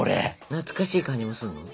懐かしい感じもするの？